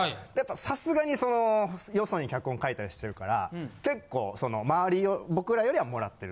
さすがにそのよそに脚本書いたりしてるから結構まわり僕らよりは貰ってる。